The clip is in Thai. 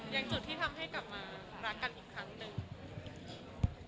อย่างจุดที่ทำให้กลับมารักกันอีกครั้งหนึ่ง